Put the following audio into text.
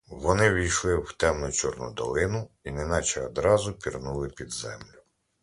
Вони ввійшли в темну чорну долину і неначе одразу пірнули під землю.